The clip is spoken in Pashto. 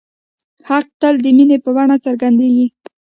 حق تل د مینې په بڼه څرګندېږي.